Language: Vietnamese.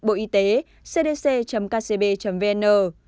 bộ y tế cdc kcb vn